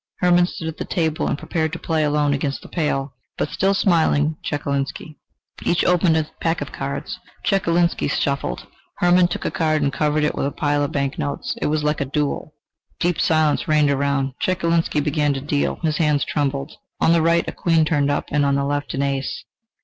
Hermann stood at the table and prepared to play alone against the pale, but still smiling Chekalinsky. Each opened a pack of cards. Chekalinsky shuffled. Hermann took a card and covered it with a pile of bank notes. It was like a duel. Deep silence reigned around. Chekalinsky began to deal; his hands trembled. On the right a queen turned up, and on the left an ace.